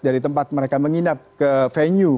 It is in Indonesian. dari tempat mereka menginap ke venue